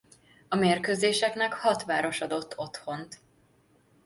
A mérkőzéseknek hat város adott otthont.